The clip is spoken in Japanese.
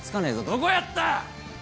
どこやった！？